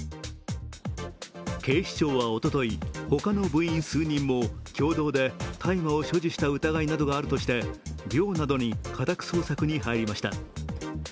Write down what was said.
警視庁はおととい、他の部員数人も共同で大麻を所持した疑いなどがあるとして寮などに家宅捜索に入りました。